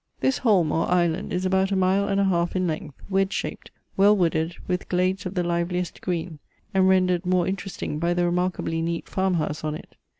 This holm or island is about a mile and a half in length, wedge shaped, well wooded, with glades of the liveliest green, and rendered more interesting by the remarkably neat farm house on it.